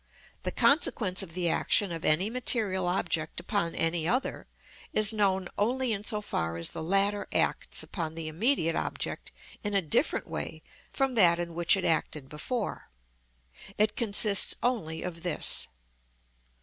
The consequence of the action of any material object upon any other, is known only in so far as the latter acts upon the immediate object in a different way from that in which it acted before; it consists only of this.